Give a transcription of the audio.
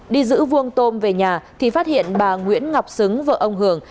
đi giữ vuông tôm về nhà thì phát hiện bà nguyễn ngọc xứng vợ ông hường